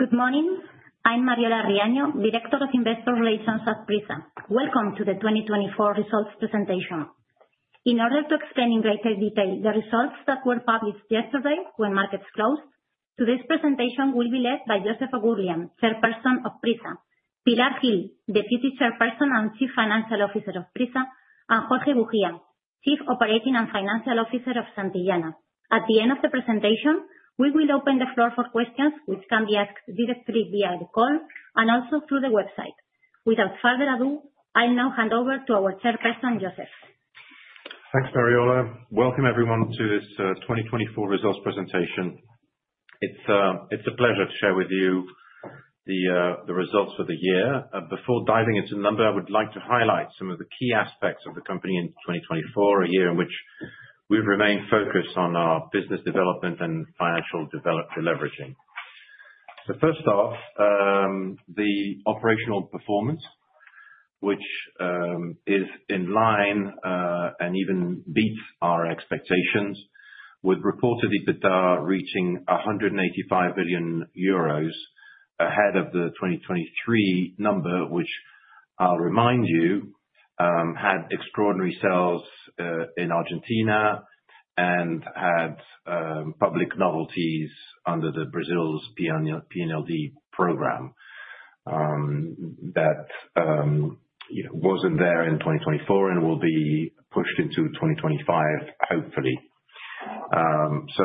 Good morning. I'm Mariola Riaño, Director of Investor Relations at PRISA. Welcome to the 2024 results presentation. In order to explain in greater detail the results that were published yesterday when markets closed, today's presentation will be led by Joseph Oughourlian, Chairperson of PRISA, Pilar Gil, Deputy Chairperson and Chief Financial Officer of PRISA, and Jorge Bujía, Chief Operating and Financial Officer of Santillana. At the end of the presentation, we will open the floor for questions, which can be asked directly via the call and also through the website. Without further ado, I'll now hand over to our Chairperson, Joseph. Thanks, Mariola. Welcome, everyone, to this 2024 results presentation. It's a pleasure to share with you the results for the year. Before diving into the numbers, I would like to highlight some of the key aspects of the company in 2024, a year in which we've remained focused on our business development and financial leveraging. First off, the operational performance, which is in line and even beats our expectations, with EBITDA reaching 185 million euros ahead of the 2023 number, which, I'll remind you, had extraordinary sales in Argentina and had public novelties under Brazil's PNLD program that wasn't there in 2024 and will be pushed into 2025, hopefully.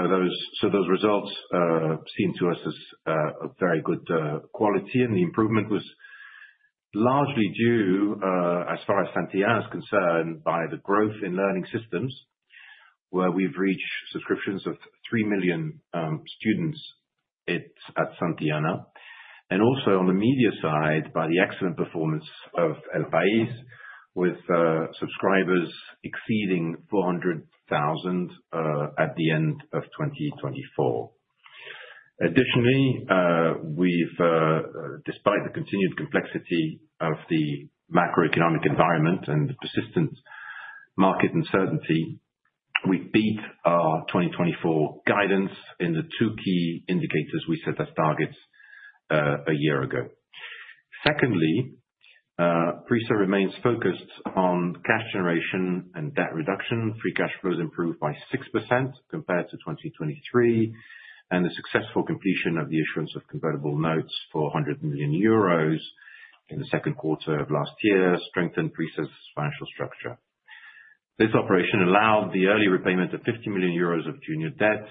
Those results seem to us of very good quality, and the improvement was largely due, as far as Santillana is concerned, by the growth in learning systems, where we've reached subscriptions of three million students at Santillana. And also, on the media side, by the excellent performance of El País, with subscribers exceeding 400,000 at the end of 2024. Additionally, despite the continued complexity of the macroeconomic environment and persistent market uncertainty, we beat our 2024 guidance in the two key indicators we set as targets a year ago. Secondly, PRISA remains focused on cash generation and debt reduction. Free cash flows improved by 6% compared to 2023, and the successful completion of the issuance of convertible notes for 100 million euros in the second quarter of last year strengthened PRISA's financial structure. This operation allowed the early repayment of € 50 million of junior debt,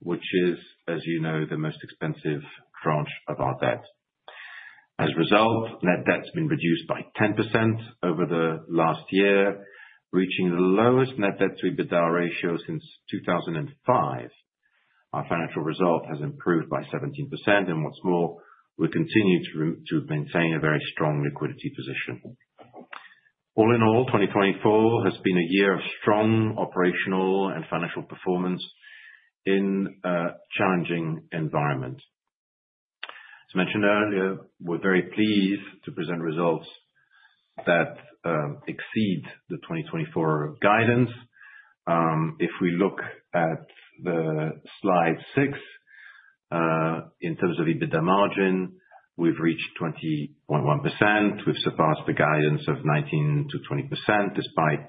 which is, as you know, the most expensive tranche of our debt. As a result, net debt has been reduced by 10% over the last year, reaching the lowest net debt-to-EBITDA ratio since 2005. Our financial result has improved by 17%, and what's more, we continue to maintain a very strong liquidity position. All in all, 2024 has been a year of strong operational and financial performance in a challenging environment. As mentioned earlier, we're very pleased to present results that exceed the 2024 guidance. If we look at slide six, in terms of EBITDA margin, we've reached 20.1%. We've surpassed the guidance of 19%-20% despite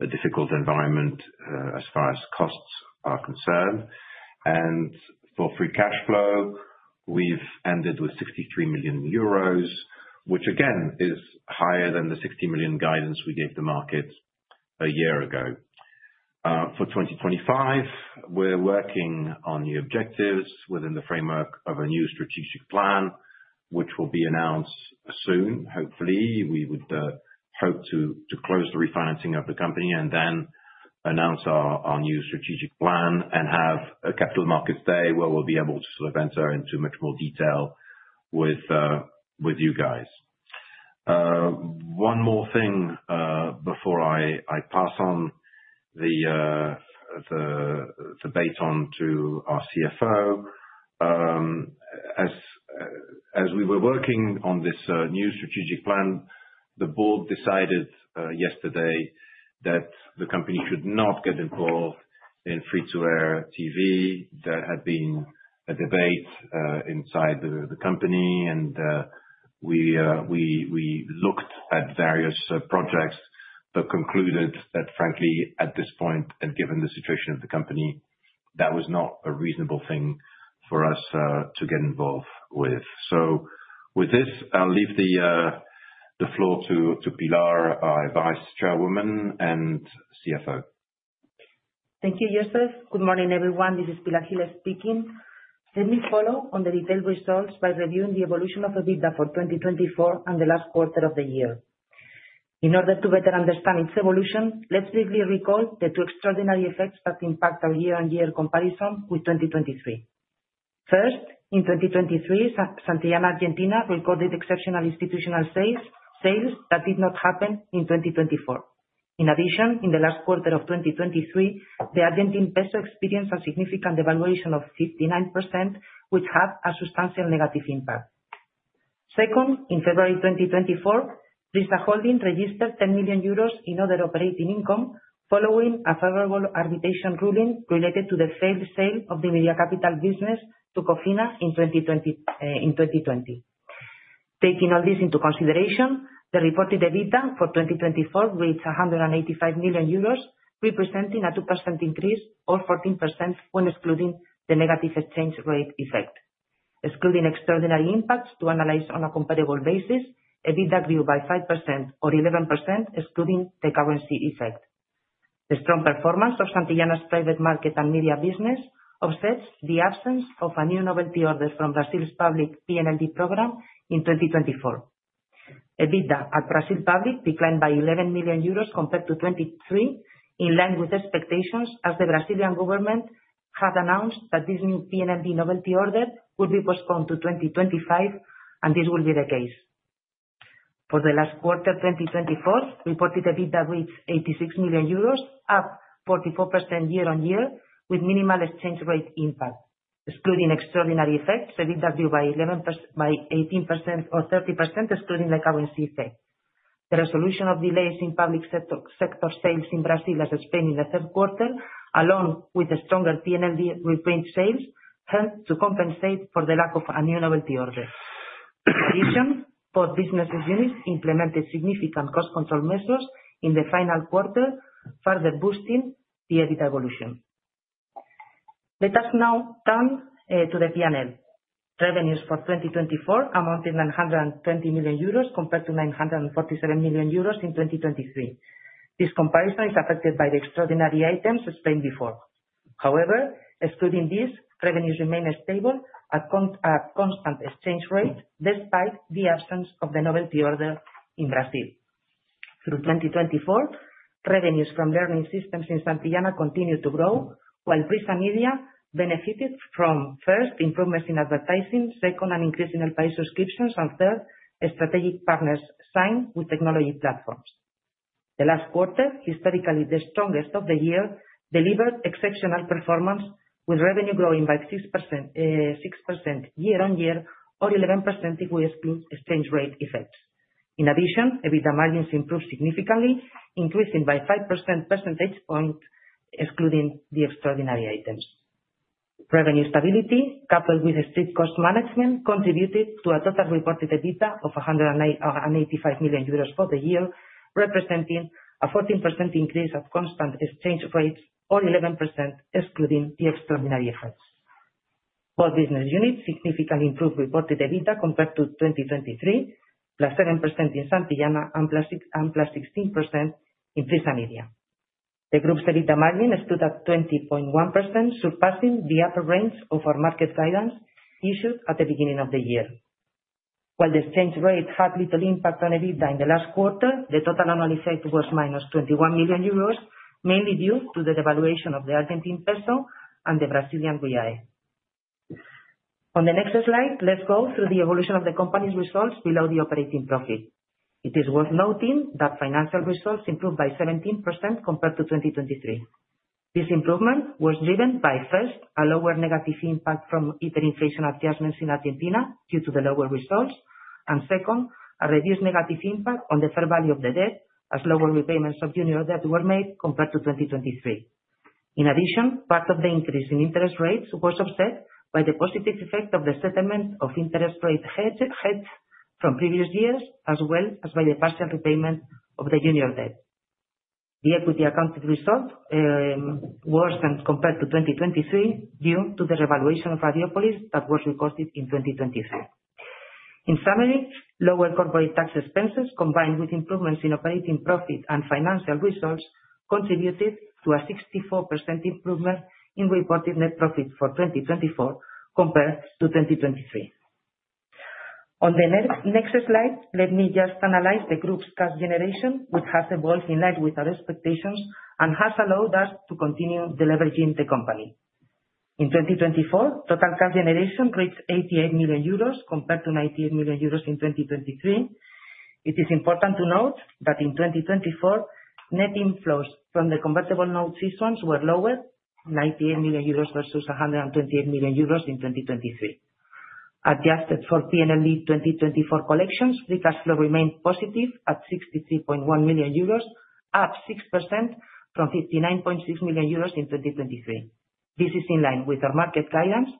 a difficult environment as far as costs are concerned. And for free cash flow, we've ended with 63 million euros, which, again, is higher than the 60 million guidance we gave the market a year ago. For 2025, we're working on new objectives within the framework of a new strategic plan, which will be announced soon, hopefully. We would hope to close the refinancing of the company and then announce our new strategic plan and have a Capital Markets Day where we'll be able to sort of enter into much more detail with you guys. One more thing before I pass on the baton to our CFO: as we were working on this new strategic plan, the board decided yesterday that the company should not get involved in free-to-air TV. There had been a debate inside the company, and we looked at various projects but concluded that, frankly, at this point and given the situation of the company, that was not a reasonable thing for us to get involved with. So, with this, I'll leave the floor to Pilar, our Vice Chairwoman and CFO. Thank you, Joseph. Good morning, everyone. This is Pilar Gil, speaking. Let me follow on the detailed results by reviewing the evolution of EBITDA for 2024 and the last quarter of the year. In order to better understand its evolution, let's briefly recall the two extraordinary effects that impact our year-on-year comparison with 2023. First, in 2023, Santillana, Argentina, recorded exceptional institutional sales that did not happen in 2024. In addition, in the last quarter of 2023, the Argentine peso experienced a significant devaluation of 59%, which had a substantial negative impact. Second, in February 2024, PRISA Holding registered 10 million euros in other operating income following a favorable arbitration ruling related to the failed sale of the Media Capital business to Cofina in 2020. Taking all this into consideration, the reported EBITDA for 2024 reached 185 million euros, representing a 2% increase or 14% when excluding the negative exchange rate effect. Excluding extraordinary impacts to analyze on a comparable basis, EBITDA grew by 5% or 11%, excluding the currency effect. The strong performance of Santillana's private market and media business offsets the absence of a new novelty order from Brazil's public PNLD program in 2024. EBITDA at Brazil public declined by 11 million euros compared to 2023, in line with expectations as the Brazilian government had announced that this new PNLD novelty order would be postponed to 2025, and this will be the case. For the last quarter of 2024, reported EBITDA reached 86 million euros, up 44% year-on-year, with minimal exchange rate impact. Excluding extraordinary effects, EBITDA grew by 18% or 30%, excluding the currency effect. The resolution of delays in public sector sales in Brazil, as explained in the third quarter, along with the stronger PNLD reprint sales, helped to compensate for the lack of a new novelty order. In addition, both business units implemented significant cost control measures in the final quarter, further boosting the EBITDA evolution. Let us now turn to the P&L. Revenues for 2024 amounted to 920 million euros compared to 947 million euros in 2023. This comparison is affected by the extraordinary items explained before. However, excluding these, revenues remained stable at a constant exchange rate despite the absence of the novelty order in Brazil. Through 2024, revenues from learning systems in Santillana continued to grow, while PRISA Media benefited from, first, improvements in advertising, second, an increase in El País subscriptions, and third, strategic partners signed with technology platforms. The last quarter, historically the strongest of the year, delivered exceptional performance, with revenue growing by 6% year-on-year or 11% if we exclude exchange rate effects. In addition, EBITDA margins improved significantly, increasing by 5% percentage points excluding the extraordinary items. Revenue stability, coupled with strict cost management, contributed to a total reported EBITDA of 185 million euros for the year, representing a 14% increase at constant exchange rates or 11% excluding the extraordinary effects. Both business units significantly improved reported EBITDA compared to 2023, plus 7% in Santillana and plus 16% in PRISA Media. The group's EBITDA margin stood at 20.1%, surpassing the upper range of our market guidance issued at the beginning of the year. While the exchange rate had little impact on EBITDA in the last quarter, the total annual effect was minus 21 million euros, mainly due to the devaluation of the Argentine peso and the Brazilian real. On the next slide, let's go through the evolution of the company's results below the operating profit. It is worth noting that financial results improved by 17% compared to 2023. This improvement was driven by, first, a lower negative impact from hyperinflation adjustments in Argentina due to the lower results, and second, a reduced negative impact on the fair value of the debt, as lower repayments of junior debt were made compared to 2023. In addition, part of the increase in interest rates was offset by the positive effect of the settlement of interest rate hedge from previous years, as well as by the partial repayment of the junior debt. The equity accounted result worsened compared to 2023 due to the revaluation of Radiópolis that was recorded in 2023. In summary, lower corporate tax expenses combined with improvements in operating profit and financial results contributed to a 64% improvement in reported net profit for 2024 compared to 2023. On the next slide, let me just analyze the group's cash generation, which has evolved in line with our expectations and has allowed us to continue leveraging the company. In 2024, total cash generation reached 88 million euros compared to 98 million euros in 2023. It is important to note that in 2024, net inflows from the convertible notes issuances were lower, 98 million euros versus 128 million euros in 2023. Adjusted for PNLD 2024 collections, free cash flow remained positive at 63.1 million euros, up 6% from 59.6 million euros in 2023. This is in line with our market guidance,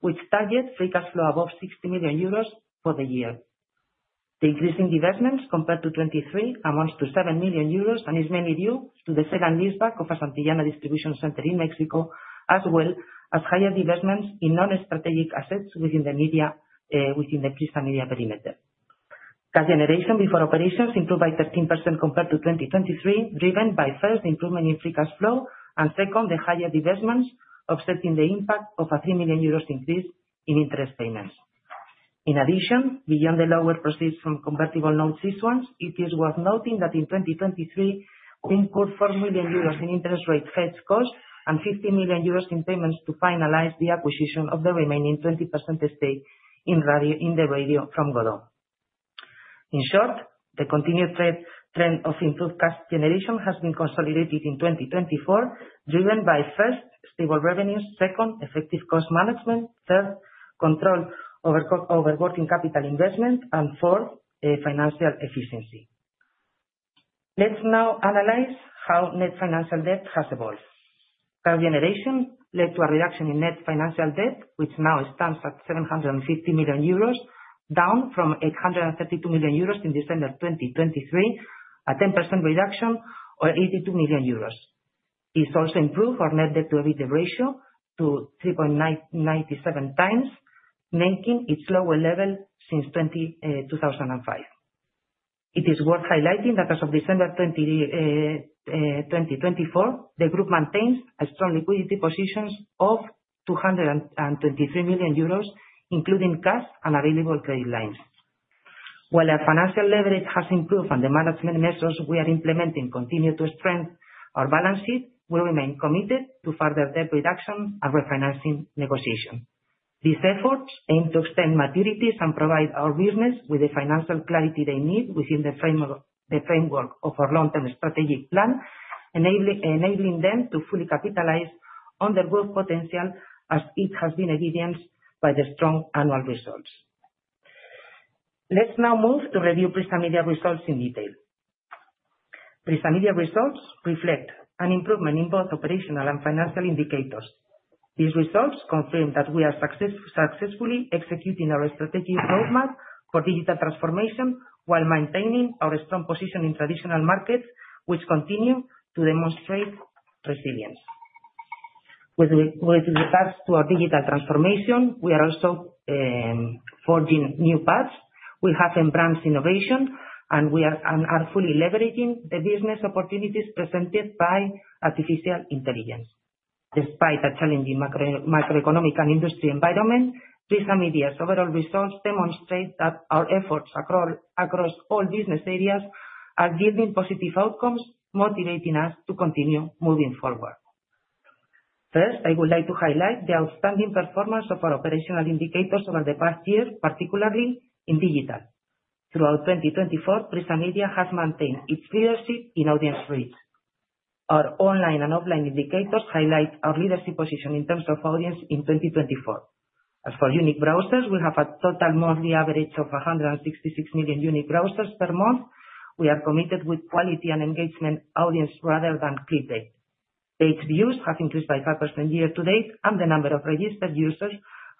which targets free cash flow above 60 million euros for the year. The increase in dividends compared to 2023 amounts to 7 million euros, and is mainly due to the sale and leaseback of a Santillana distribution center in Mexico, as well as higher dividends in non-strategic assets within the media within the PRISA Media perimeter. Cash generation before operations improved by 13% compared to 2023, driven by, first, the improvement in free cash flow, and second, the higher dividends offsetting the impact of a 3 million euros increase in interest payments. In addition, beyond the lower proceeds from convertible notes issuances, it is worth noting that in 2023, we incurred 4 million euros in interest rate hedge costs and 15 million euros in payments to finalize the acquisition of the remaining 20% stake in the radio from Godó. In short, the continued trend of improved cash generation has been consolidated in 2024, driven by, first, stable revenues, second, effective cost management, third, control over working capital investment, and fourth, financial efficiency. Let's now analyze how net financial debt has evolved. Cash generation led to a reduction in net financial debt, which now stands at 750 million euros, down from 832 million euros in December 2023, a 10% reduction or 82 million euros. It's also improved our net debt-to-EBITDA ratio to 3.97 times, making it the lowest level since 2005. It is worth highlighting that as of December 2024, the group maintains strong liquidity positions of 223 million euros, including cash and available credit lines. While our financial leverage has improved and the management measures we are implementing continue to strengthen our balance sheet, we remain committed to further debt reduction and refinancing negotiation. These efforts aim to extend maturities and provide our business with the financial clarity they need within the framework of our long-term strategic plan, enabling them to fully capitalize on their growth potential as it has been evidenced by the strong annual results. Let's now move to review PRISA Media results in detail. PRISA Media results reflect an improvement in both operational and financial indicators. These results confirm that we are successfully executing our strategic roadmap for digital transformation while maintaining our strong position in traditional markets, which continue to demonstrate resilience. With regards to our digital transformation, we are also forging new paths. We have embraced innovation, and we are fully leveraging the business opportunities presented by artificial intelligence. Despite a challenging macroeconomic and industry environment, PRISA Media's overall results demonstrate that our efforts across all business areas are yielding positive outcomes, motivating us to continue moving forward. First, I would like to highlight the outstanding performance of our operational indicators over the past year, particularly in digital. Throughout 2024, PRISA Media has maintained its leadership in audience reach. Our online and offline indicators highlight our leadership position in terms of audience in 2024. As for unique browsers, we have a total monthly average of 166 million unique browsers per month. We are committed with quality and engagement audience rather than clickbait. Page views have increased by 5% year-to-date, and the number of registered users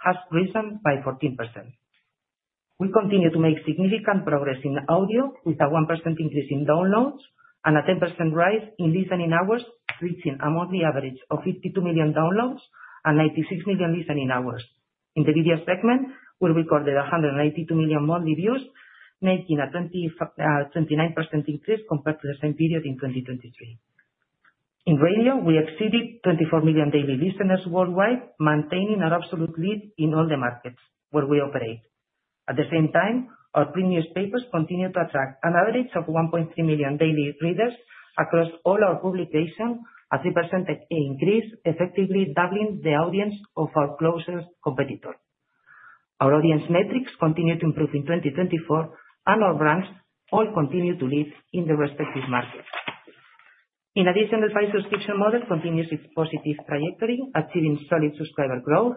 has risen by 14%. We continue to make significant progress in audio, with a 1% increase in downloads and a 10% rise in listening hours, reaching a monthly average of 52 million downloads and 96 million listening hours. In the video segment, we recorded 182 million monthly views, making a 29% increase compared to the same period in 2023. In radio, we exceeded 24 million daily listeners worldwide, maintaining our absolute lead in all the markets where we operate. At the same time, our print newspapers continue to attract an average of 1.3 million daily readers across all our publications, a 3% increase, effectively doubling the audience of our closest competitor. Our audience metrics continue to improve in 2024, and our brands all continue to lead in their respective markets. In addition, the El País subscription model continues its positive trajectory, achieving solid subscriber growth.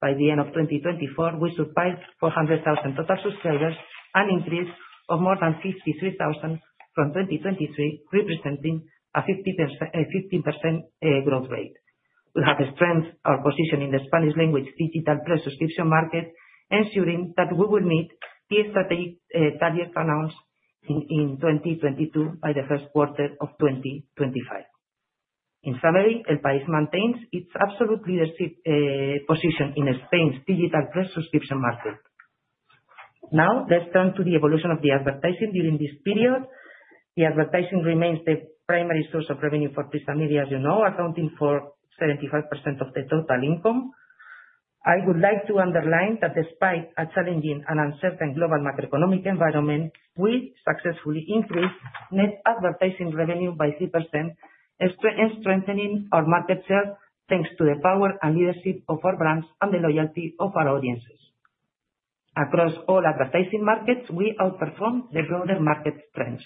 By the end of 2024, we surpassed 400,000 total subscribers, an increase of more than 53,000 from 2023, representing a 15% growth rate. We have strengthened our position in the Spanish-language digital subscription market, ensuring that we will meet key strategic target amounts in 2022 by the first quarter of 2025. In summary, El País maintains its absolute leadership position in Spain's digital subscription market. Now, let's turn to the evolution of the advertising during this period. The advertising remains the primary source of revenue for PRISA Media, as you know, accounting for 75% of the total income. I would like to underline that despite a challenging and uncertain global macroeconomic environment, we successfully increased net advertising revenue by 3%, strengthening our market share thanks to the power and leadership of our brands and the loyalty of our audiences. Across all advertising markets, we outperformed the broader market trends.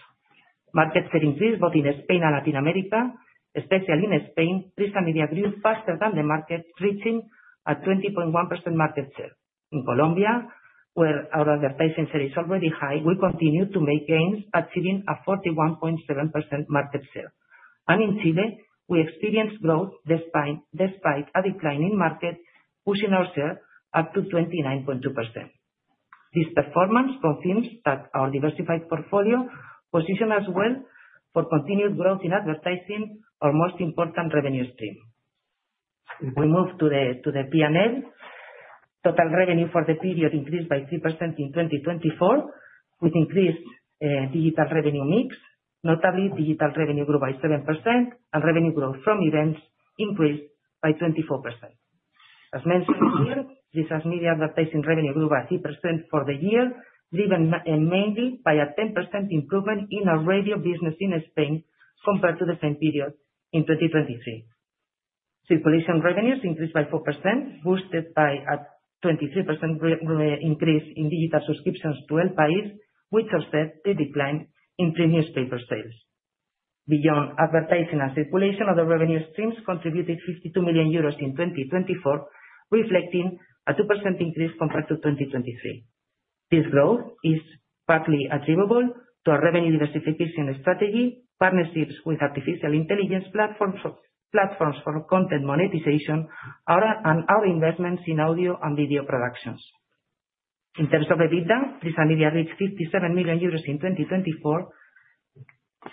Market share increased both in Spain and Latin America. Especially in Spain, PRISA Media grew faster than the market, reaching a 20.1% market share. In Colombia, where our advertising share is already high, we continue to make gains, achieving a 41.7% market share, and in Chile, we experienced growth despite a decline in market, pushing our share up to 29.2%. This performance confirms that our diversified portfolio positions us well for continued growth in advertising, our most important revenue stream. We move to the P&L. Total revenue for the period increased by 3% in 2024, with increased digital revenue mix, notably digital revenue grew by 7%, and revenue growth from events increased by 24%. As mentioned here, PRISA Media advertising revenue grew by 3% for the year, driven mainly by a 10% improvement in our radio business in Spain compared to the same period in 2023. Circulation revenues increased by 4%, boosted by a 23% increase in digital subscriptions to El País, which offset the decline in print newspaper sales. Beyond advertising and circulation, other revenue streams contributed 52 million euros in 2024, reflecting a 2% increase compared to 2023. This growth is partly attributable to our revenue diversification strategy, partnerships with artificial intelligence platforms for content monetization, and our investments in audio and video productions. In terms of EBITDA, PRISA Media reached 57 million in 2024,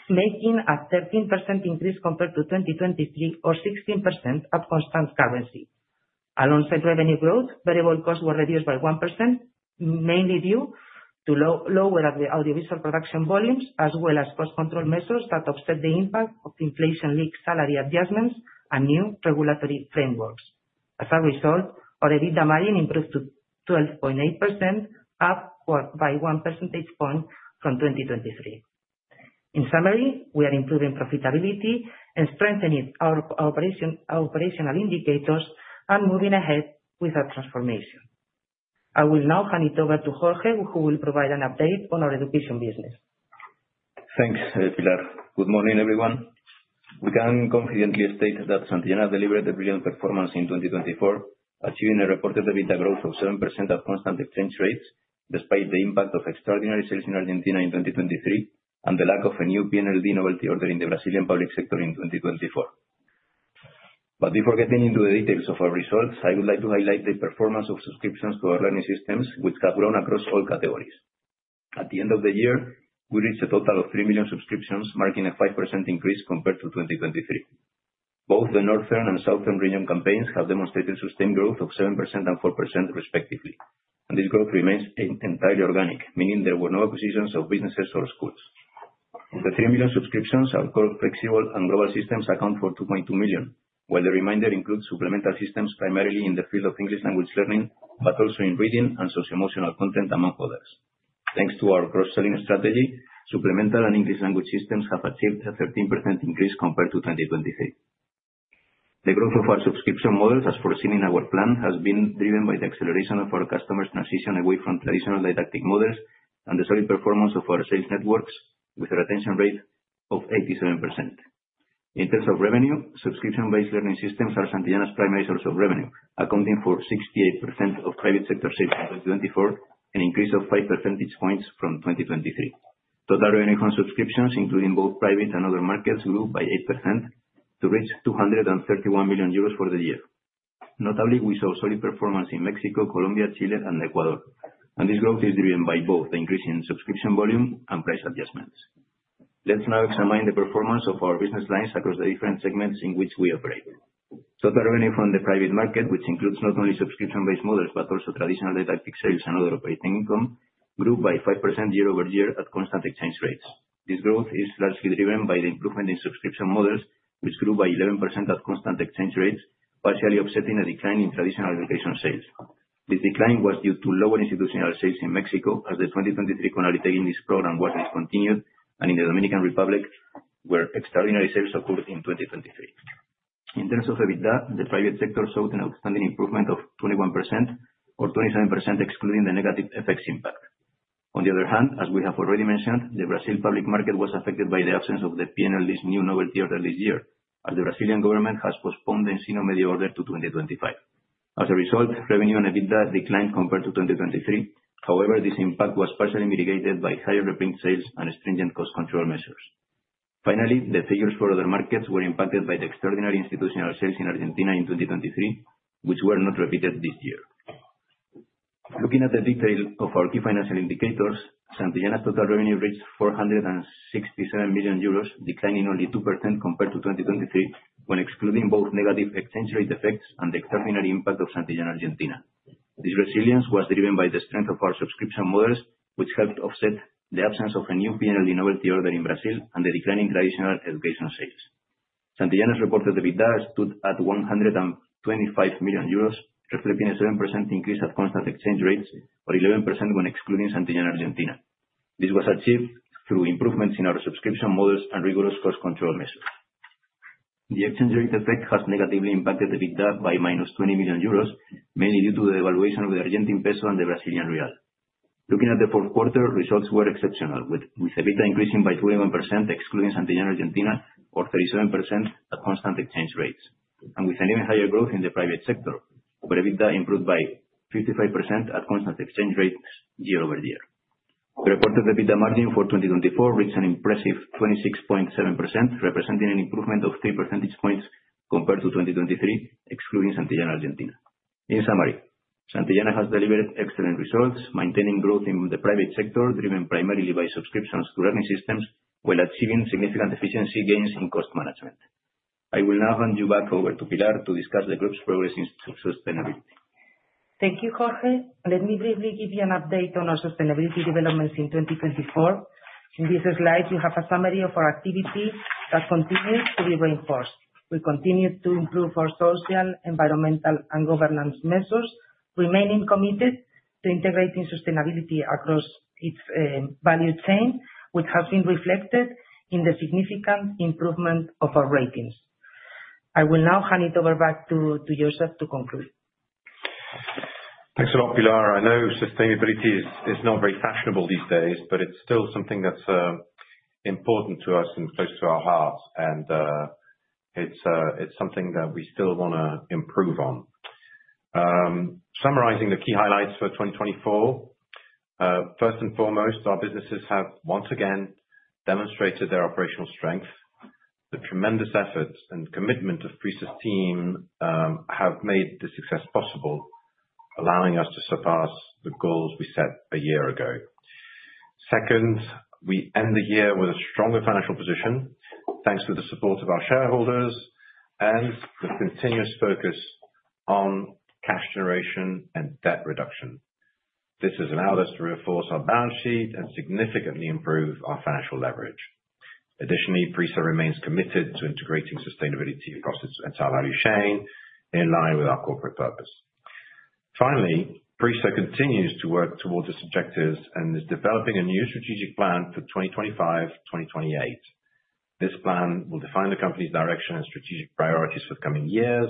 making a 13% increase compared to 2023, or 16% at constant currency. Alongside revenue growth, variable costs were reduced by 1%, mainly due to lower audiovisual production volumes, as well as cost control measures that offset the impact of inflation-linked salary adjustments and new regulatory frameworks. As a result, our EBITDA margin improved to 12.8%, up by 1 percentage point from 2023. In summary, we are improving profitability and strengthening our operational indicators and moving ahead with our transformation. I will now hand it over to Jorge, who will provide an update on our education business. Thanks, Pilar. Good morning, everyone. We can confidently state that Santillana delivered a brilliant performance in 2024, achieving a reported EBITDA growth of 7% at constant exchange rates, despite the impact of extraordinary sales in Argentina in 2023 and the lack of a new PNLD novelty order in the Brazilian public sector in 2024. But before getting into the details of our results, I would like to highlight the performance of subscriptions to our learning systems, which have grown across all categories. At the end of the year, we reached a total of 3 million subscriptions, marking a 5% increase compared to 2023. Both the northern and southern region campaigns have demonstrated sustained growth of 7% and 4%, respectively. And this growth remains entirely organic, meaning there were no acquisitions of businesses or schools. Of the three million subscriptions, our core flexible and global systems account for 2.2 million, while the remainder includes supplemental systems primarily in the field of English language learning, but also in reading and socio-emotional content, among others. Thanks to our cross-selling strategy, supplemental and English language systems have achieved a 13% increase compared to 2023. The growth of our subscription models, as foreseen in our plan, has been driven by the acceleration of our customers' transition away from traditional didactic models and the solid performance of our sales networks, with a retention rate of 87%. In terms of revenue, subscription-based learning systems are Santillana's primary source of revenue, accounting for 68% of private sector sales in 2024, an increase of 5 percentage points from 2023. Total revenue from subscriptions, including both private and other markets, grew by 8% to reach 231 million euros for the year. Notably, we saw solid performance in Mexico, Colombia, Chile, and Ecuador, and this growth is driven by both the increase in subscription volume and price adjustments. Let's now examine the performance of our business lines across the different segments in which we operate. Total revenue from the private market, which includes not only subscription-based models but also traditional didactic sales and other operating income, grew by 5% year-over-year at constant exchange rates. This growth is largely driven by the improvement in subscription models, which grew by 11% at constant exchange rates, partially offsetting a decline in traditional education sales. This decline was due to lower institutional sales in Mexico, as the 2023 CONALITEG program was discontinued, and in the Dominican Republic, where extraordinary sales occurred in 2023. In terms of EBITDA, the private sector showed an outstanding improvement of 21%, or 27%, excluding the negative effects impact. On the other hand, as we have already mentioned, the Brazil public market was affected by the absence of the PNLD list new novelty order this year, as the Brazilian government has postponed the Ensino Médio order to 2025. As a result, revenue and EBITDA declined compared to 2023. However, this impact was partially mitigated by higher reprint sales and stringent cost control measures. Finally, the figures for other markets were impacted by the extraordinary institutional sales in Argentina in 2023, which were not repeated this year. Looking at the detail of our key financial indicators, Santillana's total revenue reached 467 million euros, declining only 2% compared to 2023, when excluding both negative exchange rate effects and the extraordinary impact of Santillana Argentina. This resilience was driven by the strength of our subscription models, which helped offset the absence of a new PNLD order in Brazil and the declining traditional education sales. Santillana's reported EBITDA stood at 125 million euros, reflecting a 7% increase at constant exchange rates, or 11% when excluding Santillana Argentina. This was achieved through improvements in our subscription models and rigorous cost control measures. The exchange rate effect has negatively impacted EBITDA by 20 million euros, mainly due to the devaluation of the Argentine peso and the Brazilian real. Looking at the fourth quarter, results were exceptional, with EBITDA increasing by 21%, excluding Santillana Argentina, or 37% at constant exchange rates, and with an even higher growth in the private sector, where EBITDA improved by 55% at constant exchange rates, year-over-year. The reported EBITDA margin for 2024 reached an impressive 26.7%, representing an improvement of 3 percentage points compared to 2023, excluding Santillana Argentina. In summary, Santillana has delivered excellent results, maintaining growth in the private sector, driven primarily by subscriptions to learning systems, while achieving significant efficiency gains in cost management. I will now hand you back over to Pilar to discuss the group's progress in sustainability. Thank you, Jorge. Let me briefly give you an update on our sustainability developments in 2024. In this slide, you have a summary of our activity that continues to be reinforced. We continue to improve our social, environmental, and governance measures, remaining committed to integrating sustainability across its value chain, which has been reflected in the significant improvement of our ratings. I will now hand it over back to Joseph to conclude. Thanks a lot, Pilar. I know sustainability is not very fashionable these days, but it's still something that's important to us and close to our hearts, and it's something that we still want to improve on. Summarizing the key highlights for 2024, first and foremost, our businesses have once again demonstrated their operational strength. The tremendous efforts and commitment of PRISA's team have made the success possible, allowing us to surpass the goals we set a year ago. Second, we end the year with a stronger financial position, thanks to the support of our shareholders and the continuous focus on cash generation and debt reduction. This has allowed us to reinforce our balance sheet and significantly improve our financial leverage. Additionally, PRISA remains committed to integrating sustainability across its entire value chain, in line with our corporate purpose. Finally, PRISA continues to work towards its objectives and is developing a new strategic plan for 2025-2028. This plan will define the company's direction and strategic priorities for the coming years,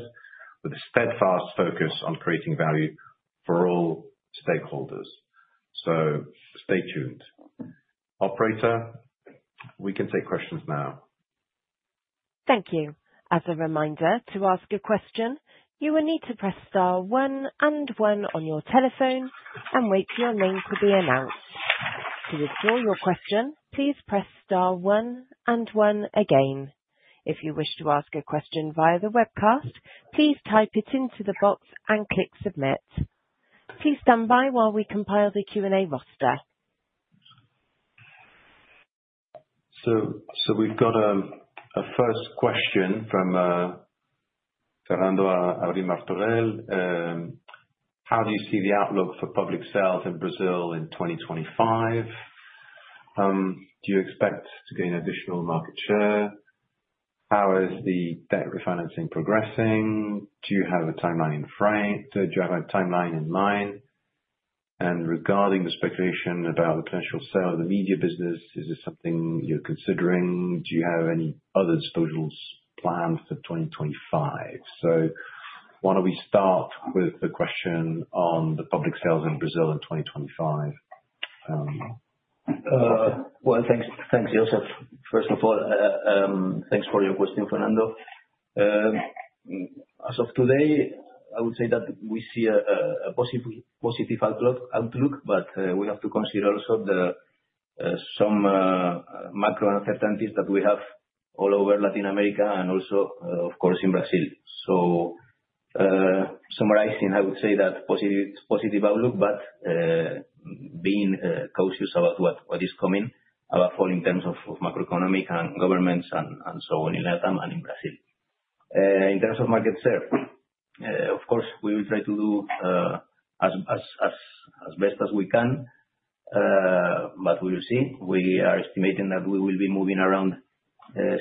with a steadfast focus on creating value for all stakeholders. So stay tuned. Operator, we can take questions now. Thank you. As a reminder, to ask a question, you will need to press star one and one on your telephone and wait for your name to be announced. To withdraw your question, please press star one and one again. If you wish to ask a question via the webcast, please type it into the box and click submit. Please stand by while we compile the Q&A roster. So we've got a first question from Fernando Abril-Martorell. How do you see the outlook for public sales in Brazil in 2025? Do you expect to gain additional market share? How is the debt refinancing progressing? Do you have a timeline in mind? Do you have a timeline in mind? And regarding the speculation about the potential sale of the media business, is this something you're considering? Do you have any other disposals planned for 2025? Why don't we start with the question on the public sales in Brazil in 2025? Thanks, Joseph. First of all, thanks for your question, Fernando. As of today, I would say that we see a positive outlook, but we have to consider also some macro uncertainties that we have all over Latin America and also, of course, in Brazil. Summarizing, I would say that positive outlook, but being cautious about what is coming, above all in terms of macroeconomic and governments and so on in Latin and in Brazil. In terms of market share, of course, we will try to do as best as we can, but we will see. We are estimating that we will be moving around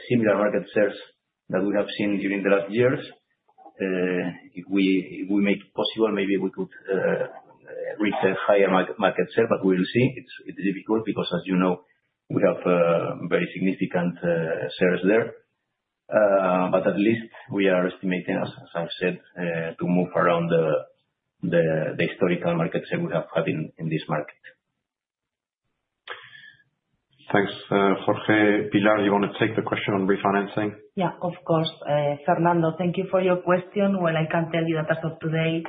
similar market shares that we have seen during the last years. If we make it possible, maybe we could reach a higher market share, but we will see. It's difficult because, as you know, we have very significant shares there. But at least we are estimating, as I've said, to move around the historical market share we have had in this market. Thanks, Jorge. Pilar, do you want to take the question on refinancing? Yeah, of course. Fernando, thank you for your question. Well, I can tell you that as of today,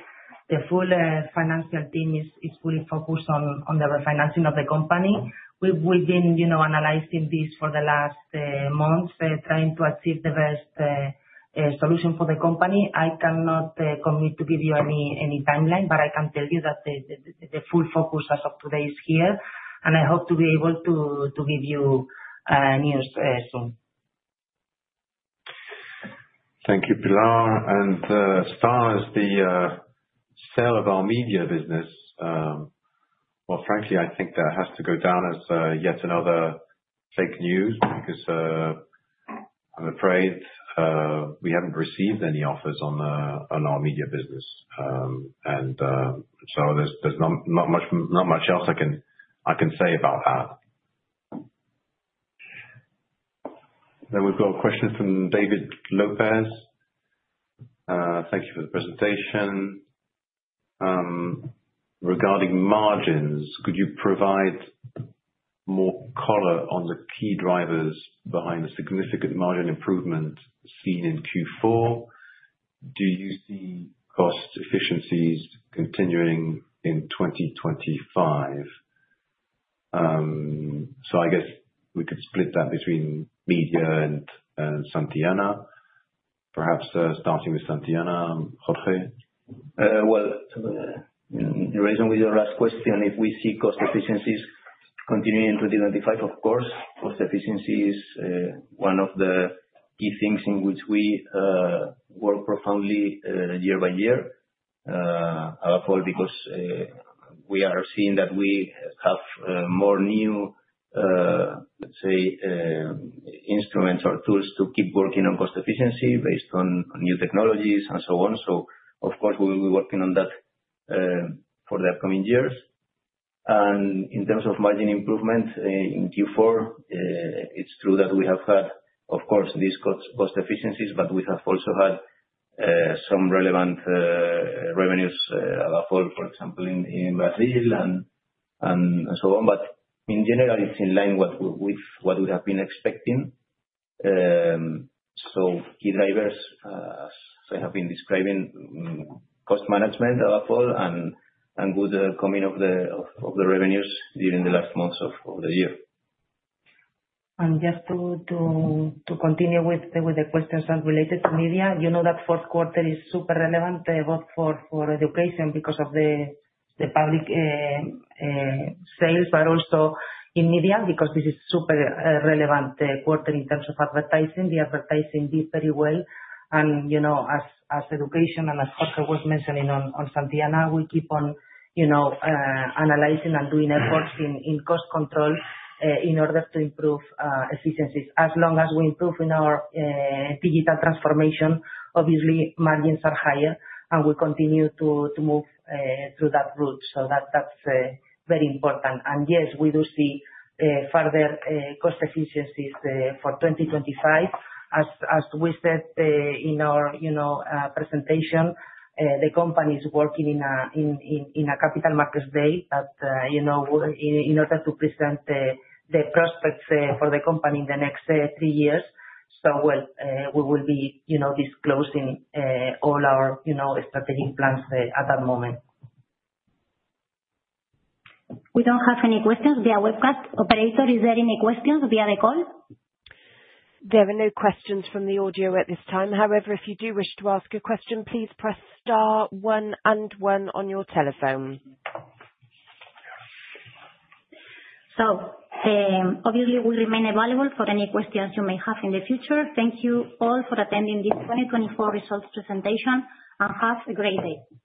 the full financial team is fully focused on the refinancing of the company. We've been analyzing this for the last months, trying to achieve the best solution for the company. I cannot commit to give you any timeline, but I can tell you that the full focus as of today is here, and I hope to be able to give you news soon. Thank you, Pilar. As far as the sale of our media business, well, frankly, I think that has to go down as yet another fake news because I'm afraid we haven't received any offers on our media business. So there's not much else I can say about that. We've got a question from David López. Thank you for the presentation. Regarding margins, could you provide more color on the key drivers behind the significant margin improvement seen in Q4? Do you see cost efficiencies continuing in 2025? I guess we could split that between media and Santillana, perhaps starting with Santillana. Jorge? Well, the reason with your last question, if we see cost efficiencies continuing in 2025, of course, cost efficiency is one of the key things in which we work profoundly year by year, above all because we are seeing that we have more new, let's say, instruments or tools to keep working on cost efficiency based on new technologies and so on. So, of course, we will be working on that for the upcoming years. And in terms of margin improvement in Q4, it's true that we have had, of course, these cost efficiencies, but we have also had some relevant revenues, above all, for example, in Brazil and so on. But in general, it's in line with what we have been expecting. Key drivers, as I have been describing, cost management, above all, and good coming of the revenues during the last months of the year. Just to continue with the questions related to media, you know that fourth quarter is super relevant, both for education because of the public sales, but also in media, because this is a super relevant quarter in terms of advertising. The advertising did very well. In education, as Jorge was mentioning on Santillana, we keep on analyzing and doing efforts in cost control in order to improve efficiencies. As long as we improve in our digital transformation, obviously, margins are higher, and we continue to move through that route. That's very important. Yes, we do see further cost efficiencies for 2025. As we said in our presentation, the company is working on a Capital Markets Day in order to present the prospects for the company in the next three years, so well, we will be disclosing all our strategic plans at that moment. We don't have any questions via webcast. Operator, is there any questions via the call? There are no questions from the audio at this time. However, if you do wish to ask a question, please press star one and one on your telephone, so obviously, we'll remain available for any questions you may have in the future. Thank you all for attending this 2024 results presentation, and have a great day.